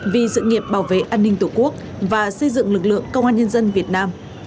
vì sự nghiệp bảo vệ an ninh tổ quốc và xây dựng lực lượng công an nhân dân việt nam